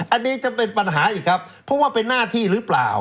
อันนี้จะเป็นปัญหาอีกครับเพราะว่าเป็นหน้าที่หรือเปล่า